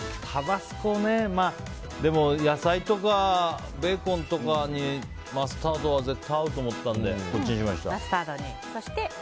でも野菜とかベーコンとかにマスタードは絶対に合うと思ったのでこっちにしました。